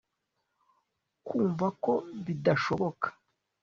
kumva ko bidashoboka